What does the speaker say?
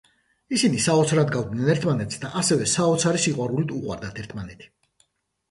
ისინი საოცრად ჰგავდნენ ერთმანეთს და ასევე საოცარი სიყვარულით უყვარდათ ერთმანეთი.